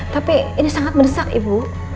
tapi ini sangat mendesak ibu